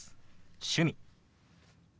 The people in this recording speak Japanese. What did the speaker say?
「趣味」。